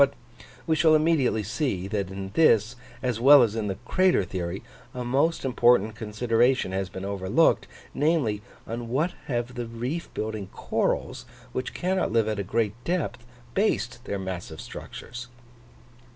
But we shall immediately see, that in this, as well as in the crater theory, a most important consideration has been overlooked, namely, on what have the reef building corals, which cannot live at a great depth, based their massive structures?